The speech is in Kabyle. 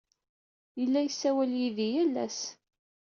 Yella yessawal yid-i yal ass.